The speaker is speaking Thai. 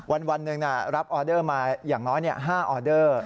วันหนึ่งรับออเดอร์มาอย่างน้อย๕ออเดอร์